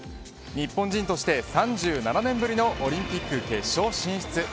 日本人として３７年ぶりのオリンピック決勝進出。